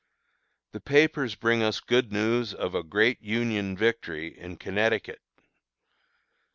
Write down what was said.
The papers bring us good news of a "Great Union Victory in Connecticut."